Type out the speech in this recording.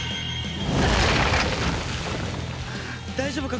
大丈夫か？